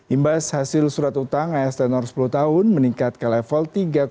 imbas hasil surat utang as tenor sepuluh tahun meningkat ke level tiga sembilan ratus sembilan puluh sembilan